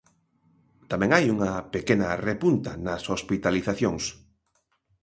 Tamén hai unha pequena repunta nas hospitalizacións.